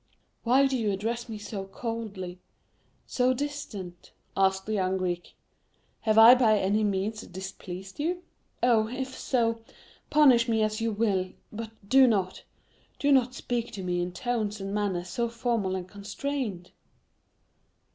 "Why do you address me so coldly—so distantly?" asked the young Greek. "Have I by any means displeased you? Oh, if so, punish me as you will; but do not—do not speak to me in tones and manner so formal and constrained."